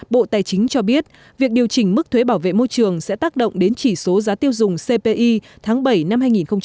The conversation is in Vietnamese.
bộ tài chính cho biết việc điều chỉnh mức thuế bảo vệ môi trường sẽ tác động đến chỉ số giá tiêu dùng cpi tháng bảy năm hai nghìn hai mươi